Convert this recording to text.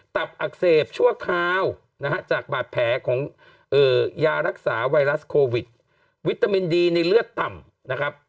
ตับอักเสบชั่วคราวนะฮะจากบาดแผลของยารักษาไวรัสโควิดวิตามินดีในเลือดต่ำนะครับ